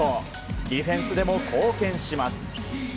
ディフェンスでも貢献します。